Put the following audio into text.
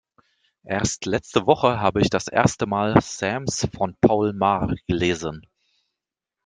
Erst letzte Woche habe ich das erste mal Sams von Paul Maar gelesen.